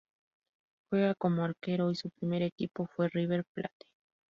Juega como arquero y su primer equipo fue River Plate.